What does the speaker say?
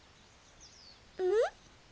うん？